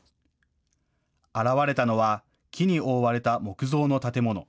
現れたのは木に覆われた木造の建物。